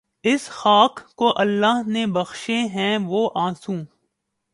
اس خاک کو اللہ نے بخشے ہیں وہ آنسو